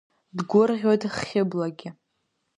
Дгәырӷьоит Хьыблагьы.